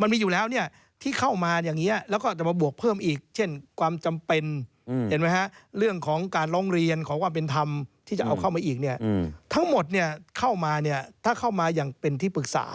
มันมีอยู่แล้วเนี่ยที่เข้ามาอย่างนี้แล้วก็จะมาบวกเพิ่มอีกเช่นความจำเป็นเห็นไหมฮะเรื่องของการร้องเรียนของความเป็นธรรมที่จะเอาเข้ามาอีกเนี่ยทั้งหมดเนี่ยเข้ามาเนี่ยถ้าเข้ามาอย่างเป็นที่ปรึกษา